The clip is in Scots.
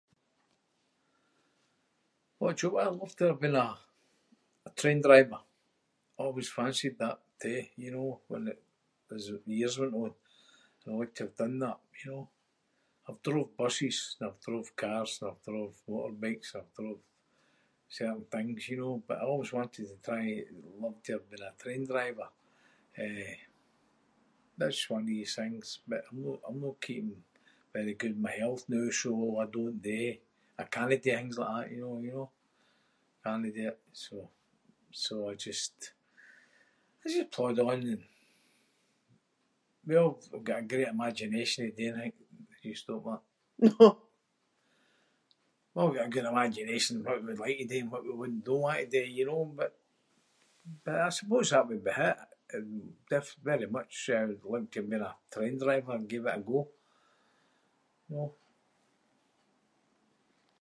What job? I would love to have been a- a train driver. Always fancied that too, you know. When it- as the years went on. I would like to have done that, you know. I’ve drove buses and I’ve drove cars and I’ve drove motorbikes. I've drove certain things, you know, but I always wanted to try- loved to have been a train driver. Eh, but it’s just one of these things but I’m no- I'm no keeping very good with my health noo so I don’t do- I cannae do things like that, you know- you know? Cannae do it, so- so I just- I just plod on and- well, I’ve got a great imagination of doing things [inc]. We've always got a good imagination of what we would like to do and what we would- don't want to do, you know? But- but I suppose that would be it. Eh, defin- very much I would liked to have been a train driver and gave it a go, know?